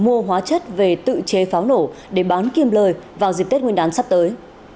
mua hóa chất về tự chế pháo nổ để bán kiêm lời vào dịp tết nguyên đán sắp tới